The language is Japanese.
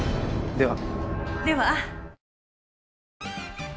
では。